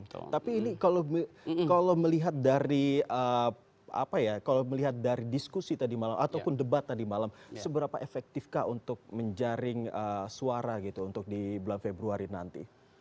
tapi ini kalau melihat dari diskusi tadi malam ataupun debat tadi malam seberapa efektifkah untuk menjaring suara untuk di bulan februari nanti